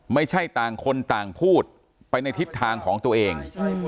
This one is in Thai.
ไม่ใช่ต่างคนต่างพูดไปในทิศทางของตัวเอง